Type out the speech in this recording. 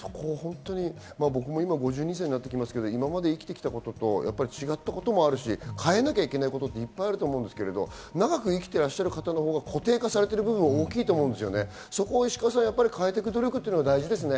僕も今、５２歳になっていますけど、今まで生きてきたことと違ったこともあるし、変えなきゃいけないことってあると思うんですけど、長く生きてらっしゃる方のほうが固定化されている部分が大きいと思うんです。